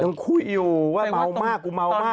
ยังคุยอยู่ว่าเมามากกูเมามาก